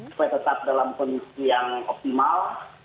supaya tetap dalam kondisi yang optimal